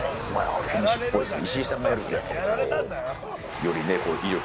フィニッシュっぽいですね。